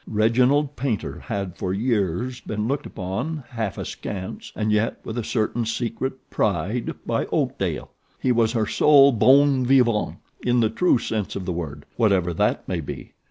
Reginald Paynter had for years been looked upon half askance and yet with a certain secret pride by Oakdale. He was her sole bon vivant in the true sense of the word, whatever that may be.